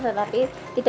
ini enak banget ya